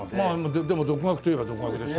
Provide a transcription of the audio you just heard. でも独学といえば独学ですね。